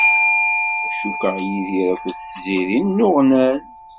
Cukkeɣ Yidir akked Tiziri nnuɣnan.